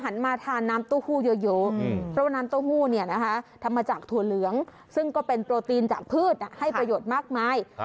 น้ำเต้าหู้ทำมาจากถั่วเหลืองซึ่งเป็นโปรตีนจากพืชให้ประโยชน์มากมาย